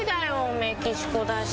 メキシコだし。